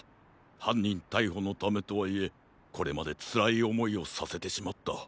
はんにんたいほのためとはいえこれまでつらいおもいをさせてしまった。